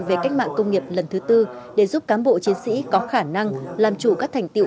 về cách mạng công nghiệp lần thứ tư để giúp cán bộ chiến sĩ có khả năng làm chủ các thành tiệu